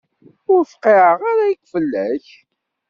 Ur fqiɛeɣ ara akk fell-ak.